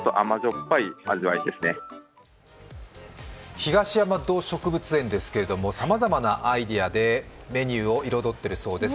東山動植物園ですけれども、さまざまなアイデアでメニューを彩っているそうです。